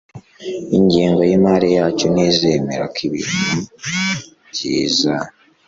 Ingengo yimari yacu ntizemera ko ibintu byiza